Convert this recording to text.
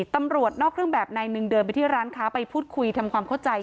ตำรวจนอกเครื่องแบบนายหนึ่งเดินไปที่ร้านค้าไปพูดคุยทำความเข้าใจ